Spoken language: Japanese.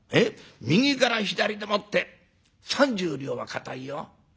右から左でもって３０両は堅いよ。